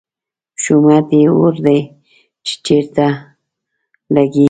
شومت یې اور دی، چې چېرته لګي